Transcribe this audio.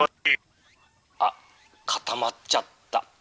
「あっ固まっちゃった」。